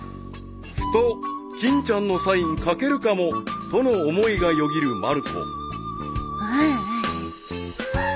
［ふと「欽ちゃんのサイン書けるかも」との思いがよぎるまる子］